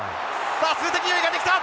さあ数的優位ができた！